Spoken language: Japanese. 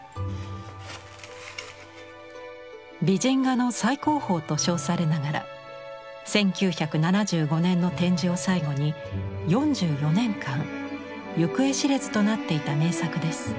「美人画の最高峰」と称されながら１９７５年の展示を最後に４４年間行方知れずとなっていた名作です。